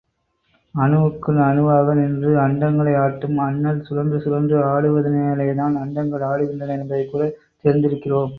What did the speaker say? அணுவுக்குள் அணுவாக நின்று அண்டங்களை ஆட்டும் அண்ணல், சுழன்று சுழன்று ஆடுவதினாலேதான் அண்டங்கள் ஆடுகின்றன என்பதையும் கூடத் தெரிந்திருக்கிறோம்.